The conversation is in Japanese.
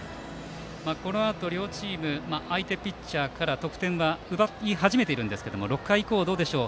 このあと、両チーム相手ピッチャーから得点は奪い始めているんですが６回以降はどうでしょう